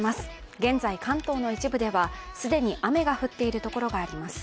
現在関東の一部では既に雨が降っているところがあります。